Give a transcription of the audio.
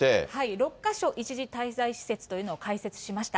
６か所一時滞在施設というのを開設しました。